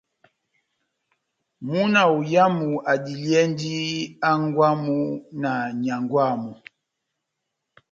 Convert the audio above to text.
Múna oyamu adiliyɛndi hángwɛ́ wamu na nyángwɛ wamu.